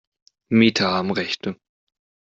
Mieter haben Rechte.